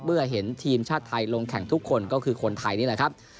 เมื่อเห็นทีมชาติไทยลงแข่งทุกคนก็คือคนไทยนี่แหละครับ